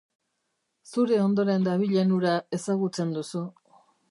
Zure ondoren dabilen hura ezagutzen duzu.